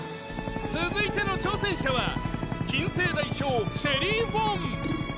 続いての挑戦者は金星代表シェリイ・ウォン！